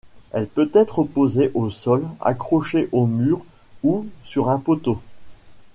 Elle peut être posée au sol, accrochée au mur ou sur un poteau.